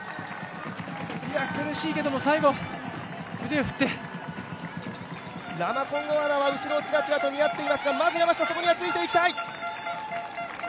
苦しいけれども最後腕を振ってラマコンゴアナは後ろをちらちらと見やってますがまず山下そこにはついていきたい。